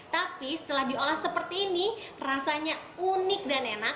tapi setelah diolah seperti ini rasanya unik dan enak